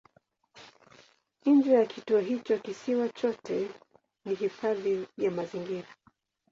Nje ya kituo hicho kisiwa chote ni hifadhi ya mazingira.